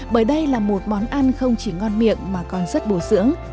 bởi đây là một món ăn không chỉ ngon miệng mà còn rất bổ dưỡng